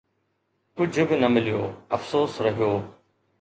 ڪجهه به نه مليو، افسوس رهيو